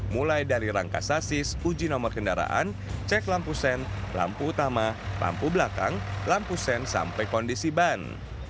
mulai dari rangka sasis uji nomor kendaraan cek lampu sen lampu utama lampu belakang lampu sen sampai kondisi ban